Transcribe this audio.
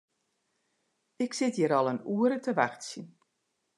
Ik sit hjir al in oere te wachtsjen.